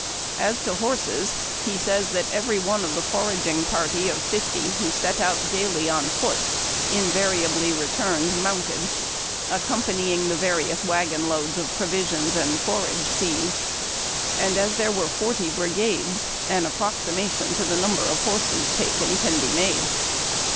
As to horses, he says that every one of the foraging party of fifty who set out daily on foot invariably returned mounted, accompany ing the various wagon loads of provisions and forage seized, and, as there were forty brigades, an approximation to the number of horses taken can be made.